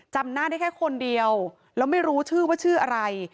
จำหน้าได้แค่คนเดียวแล้วไม่รู้ชื่อว่าชื่ออะไร